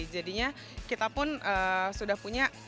jadinya kita pun sudah punya